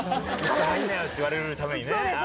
入りなよって言われるためにね。